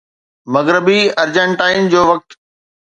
مغربي ارجنٽائن جو وقت